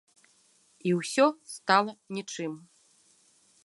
І ўсё стала нічым.